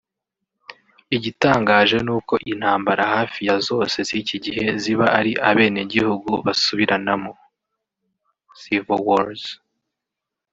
Igitangaje nuko intambara hafi ya zose z’iki gihe ziba ari Abenegihugu basubiranamo (civil wars)